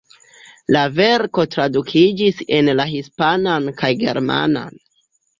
La verko tradukiĝis en la hispanan kaj germanan.